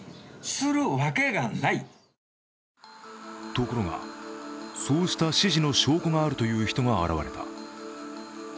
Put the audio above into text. ところが、そうした指示の証拠があるという人が現れた。